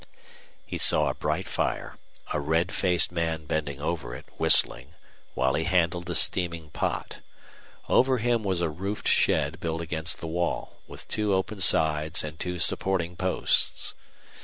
He saw a bright fire, a red faced man bending over it, whistling, while he handled a steaming pot. Over him was a roofed shed built against the wall, with two open sides and two supporting posts.